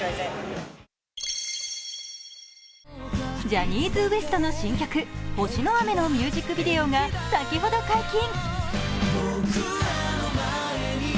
ジャニーズＷＥＳＴの新曲「星の雨」のミュージックビデオが先ほど解禁。